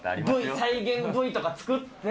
再現Ｖとか作ってね。